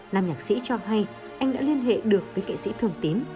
nam nhạc sĩ cho hay anh đã liên hệ được với nghệ sĩ thương tín